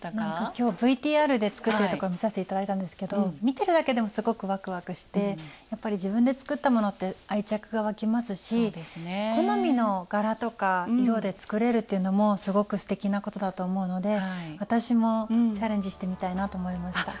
今日ＶＴＲで作ってるとこ見さして頂いたんですけど見てるだけでもすごくワクワクしてやっぱり自分で作ったものって愛着が湧きますし好みの柄とか色で作れるっていうのもすごくすてきなことだと思うので私もチャレンジしてみたいなと思いました。